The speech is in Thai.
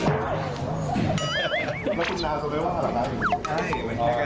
เราจะเราจะไปทำยังไง